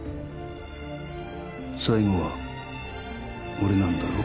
最後は俺なんだろ